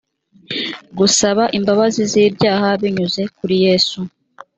gusaba imbabazi z’ibyaha binyuze kuri yesu